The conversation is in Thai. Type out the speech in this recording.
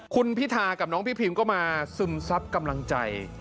คุณพิธากับน้องพี่พิมก็มาซึมซับกำลังใจ